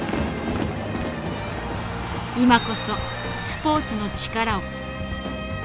今こそスポーツの力を。